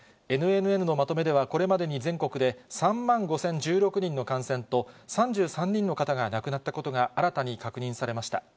ＮＮＮのまとめでは、これまでに全国で３万５０１６人の感染と、３３人の方が亡くなったことが新たに確認されました。